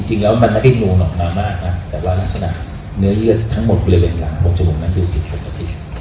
จริงแล้วมันไม่ได้งงออกมามากนะแต่ว่ารักษณะเนื้อเยื่อทั้งหมดบริเวณหลังบนจมูกนั้นดูผิดปกติ